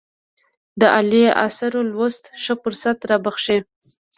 د عالي آثارو لوستل ښه فرصت رابخښي.